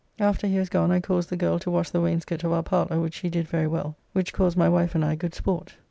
After he was gone I caused the girl to wash the wainscot of our parlour, which she did very well, which caused my wife and I good sport.